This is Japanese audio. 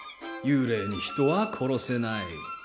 幽霊に人は殺せない